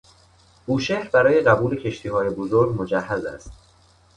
بوشهر برای قبول کشتیهای بزرگ مجهز است.